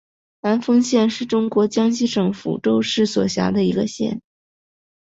南丰县是中国江西省抚州市所辖的一个县。